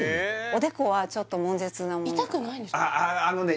おでこはちょっと悶絶なものが痛くないんですか？